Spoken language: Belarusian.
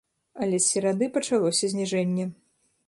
Але з серады пачалося зніжэнне.